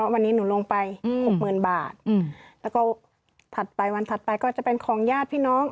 วันนี้หนูลงไปหกหมื่นบาทแล้วก็ถัดไปวันถัดไปก็จะเป็นของญาติพี่น้อง